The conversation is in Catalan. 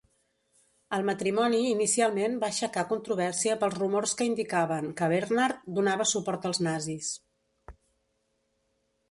El matrimoni inicialment va aixecar controvèrsia pels rumors que indicaven que Bernhard donava suport als nazis.